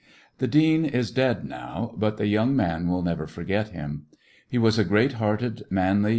As of v/ittiam The dean is dead now, but the young man wiU never forget him. He was a great hearted, manly.